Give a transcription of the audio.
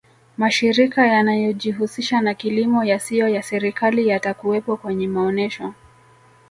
mashirika yanayojihusisha na kilimo yasiyo ya serikali yatakuwepo kwenye maonesho